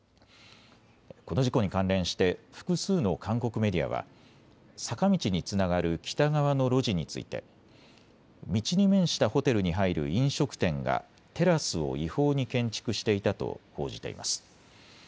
この事故に関連して複数の韓国メディアは坂道につながる北側の路地について道に面したホテルに入る飲食店がテラスを違法に建築していたと報じています。